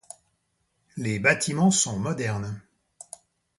Les bâtiments sont modernes.